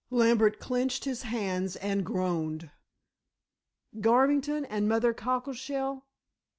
Lambert clenched his hands and groaned, "Garvington and Mother Cockleshell?"